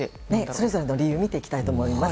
それぞれの理由を見ていきたいと思います。